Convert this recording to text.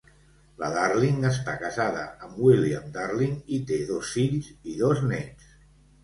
La Darling està casada amb William Darling i té dos fills i dos néts.